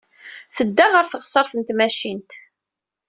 Tedda ɣer teɣsert n tmacint.